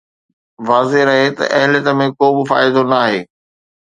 واضح رهي ته اهليت ۾ ڪو به فائدو ناهي